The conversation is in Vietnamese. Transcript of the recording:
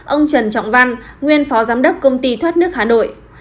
ông trần trọng văn nguyên phó giám đốc công ty thoát nước hà nội